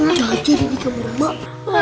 gak jadi ini kamar emak